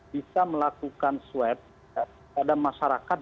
bisa melakukan swab pada masyarakat